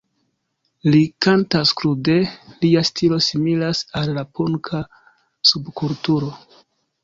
Li kantas krude, lia stilo similas al la punka subkulturo.